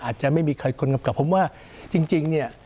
อาจจะไม่มีใครคนกำกับผมว่าจริงเนี่ย